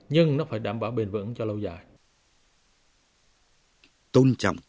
nhưng nó phải đảm bảo bền vững cho lâu dài